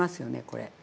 これ。